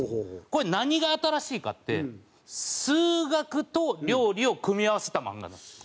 これ何が新しいかって数学と料理を組み合わせた漫画なんですよ。